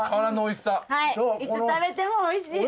いつ食べてもおいしい。